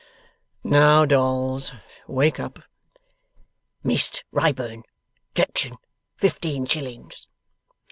'Now Dolls, wake up!' 'Mist Wrayburn? Drection! Fifteen shillings!